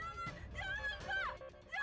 oh jangan jangan jangan pak